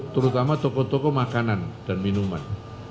terutama toko toko makanan dan minuman